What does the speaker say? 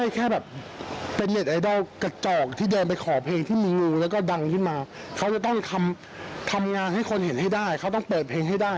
เค้ายังต้องทำงานให้คนเห็นให้ได้เขาต้องเปิดเพลงให้ได้